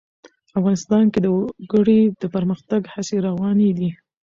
افغانستان کې د وګړي د پرمختګ هڅې روانې دي.